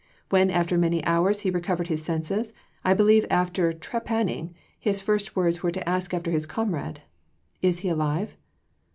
When, after many hours, he recovered his senses, I believe after trepanning, his first words were to ask after his comrade, 'Is he alive?'